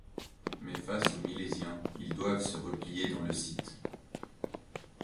Mais face aux Milésiens, ils doivent se replier dans le Sidh.